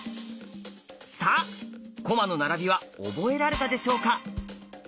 さあ駒の並びは覚えられたでしょうか。